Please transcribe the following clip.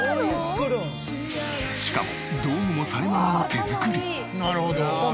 しかも道具もさえママの手作り！